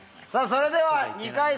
それでは２回戦